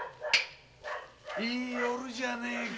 いい夜じゃねぇか。